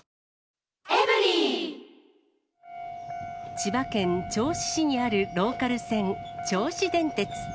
千葉県銚子市にあるローカル線銚子電鉄。